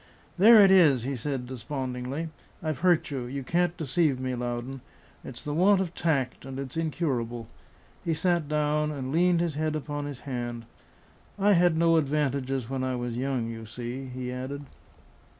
"There it is," he said despondingly. "I've hurt you. You can't deceive me, Loudon. It's the want of tact, and it's incurable." He sat down, and leaned his head upon his hand. "I had no advantages when I was young, you see," he added.